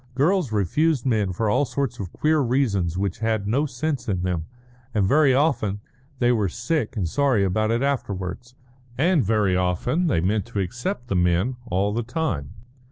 Girls refused men for all sorts of queer reasons which had no sense in them, and very often they were sick and sorry about it afterwards; and very often they meant to accept the men all the time.